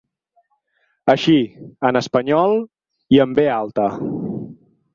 Així, en espanyol i amb be alta.